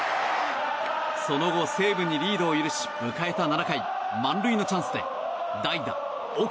その後、西武にリードを許し迎えた７回満塁のチャンスで代打、岡。